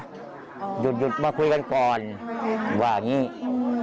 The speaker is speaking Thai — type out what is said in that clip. หยุดหยุดมาคุยกันก่อนหรือว่าอย่างงี้อืม